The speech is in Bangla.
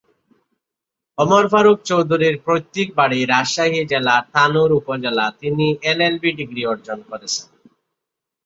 ওমর ফারুক চৌধুরীর পৈতৃক বাড়ি রাজশাহী জেলার তানোর উপজেলা তিনি এলএলবি ডিগ্রি অর্জন করেছেন।